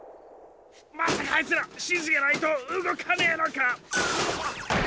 まさかあいつらしじがないとうごかねえのか？